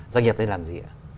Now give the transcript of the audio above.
doanh nghiệp đây làm gì